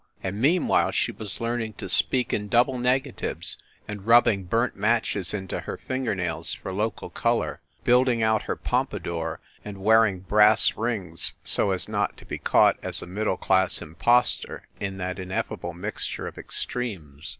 And meanwhile she was learning to speak in double negatives and rubbing burnt matches into her finger nails for local color, building out her pompadour and wearing brass rings so as not to be caught as a middle class impostor in that ineffable mixture of extremes.